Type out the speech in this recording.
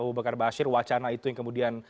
abu bakar bashir wacana itu yang kemudian